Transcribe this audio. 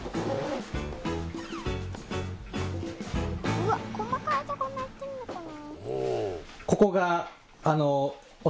うわっ細かいとこもやってんのかな。